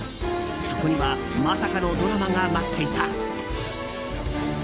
そこにはまさかのドラマが待っていた。